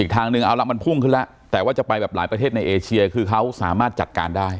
ทางนึงเอาละมันพุ่งขึ้นแล้วแต่ว่าจะไปแบบหลายประเทศในเอเชียคือเขาสามารถจัดการได้